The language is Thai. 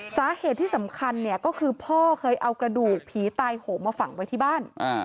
สาเหตุที่สำคัญเนี่ยก็คือพ่อเคยเอากระดูกผีตายโหมมาฝังไว้ที่บ้าน